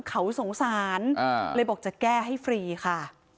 เขาสงสารเลยบอกจะแก้ให้ฟรีค่ะ